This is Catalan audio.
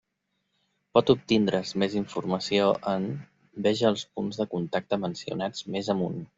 Pot obtindre's més informació en: veja els punts de contacte mencionats més amunt.